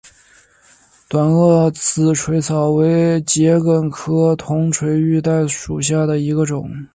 短萼紫锤草为桔梗科铜锤玉带属下的一个种。